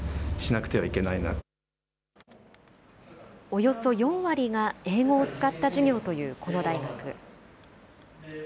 およそ４割が英語を使った授業というこの大学。